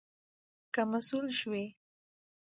که مسؤول شوې